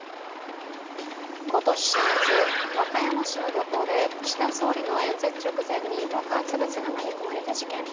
今年４月和歌山市の漁港で岸田総理の演説直前に爆発物が投げ込まれた事件。